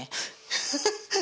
フフフフ。